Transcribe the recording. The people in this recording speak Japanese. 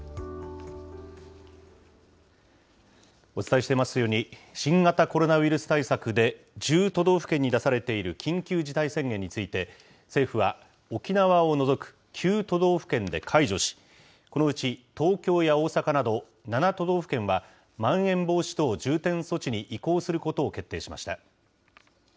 お伝えしていますように、新型コロナウイルス対策で、１０都道府県に出されている緊急事態宣言について、政府は沖縄を除く９都道府県で解除し、このうち東京や大阪など７都道府県は、まん延防止等重点措置に移行することを決定しました。